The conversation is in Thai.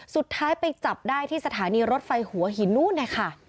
สุดท้ายไปจับได้ที่สถานีรถไฟหัวหินนู้นนะคะ